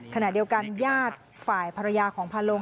ขณะเดียวกันญาติฝ่ายภรรยาของพาลง